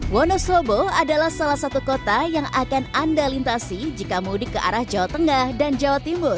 wonosobo adalah salah satu kota yang akan anda lintasi jika mudik ke arah jawa tengah dan jawa timur